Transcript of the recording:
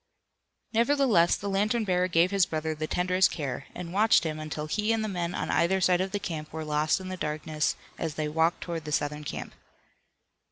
Nevertheless, the lantern bearer gave his brother the tenderest care, and watched him until he and the men on either side of him were lost in the darkness as they walked toward the Southern camp.